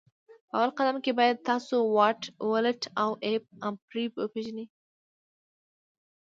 په اول قدم کي باید تاسو واټ ولټ او A امپري وپيژني